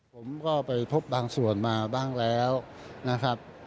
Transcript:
ผมก็ไปพบบางส่วนมาบ้างแล้วนะครับ